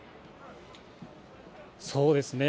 そうですね。